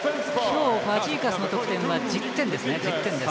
きょうファジーカスの得点は１０点ですね。